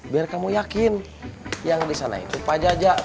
biar kamu yakin yang di sana itu pak jaja